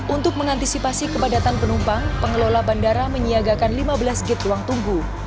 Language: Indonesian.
untuk mengantisipasi kepadatan penumpang pengelola bandara menyiagakan lima belas gate ruang tunggu